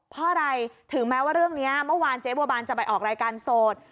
เพราะอะไรถึงแม้ว่าเรื่องนี้เมื่อวานเจ๊บัวบานจะไปออกรายการโสด